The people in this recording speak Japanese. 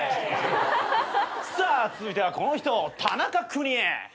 さあ続いてはこの人田中邦衛。